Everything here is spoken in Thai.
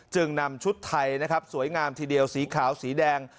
นำชุดไทยนะครับสวยงามทีเดียวสีขาวสีแดง